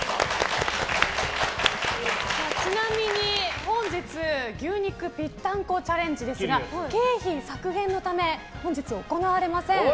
ちなみに本日牛肉ぴったんこチャレンジですが経費削減のため本日行われません。